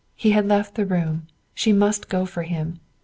He had left the room; she must go for him.